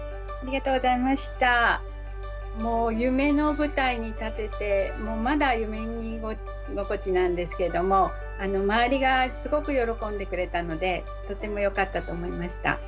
もう夢の舞台に立ててまだ夢見心地なんですけども周りがすごく喜んでくれたのでとてもよかったと思いました。